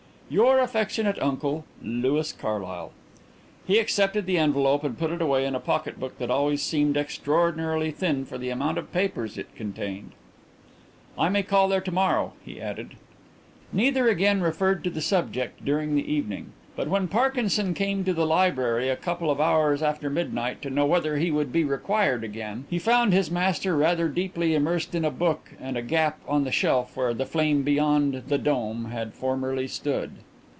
"'Your affectionate uncle, "'LOUIS CARLYLE.'" He accepted the envelope and put it away in a pocket book that always seemed extraordinarily thin for the amount of papers it contained. "I may call there to morrow," he added. Neither again referred to the subject during the evening, but when Parkinson came to the library a couple of hours after midnight to know whether he would be required again, he found his master rather deeply immersed in a book and a gap on the shelf where "The Flame beyond the Dome" had formerly stood.